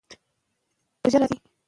که عدالت پلی شي، باور پیاوړی کېږي.